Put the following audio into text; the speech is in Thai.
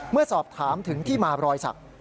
เมื่อสอบถามถึงที่มารอยสัก